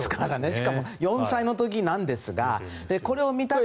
しかも４歳の時なんですがこれを見たくて。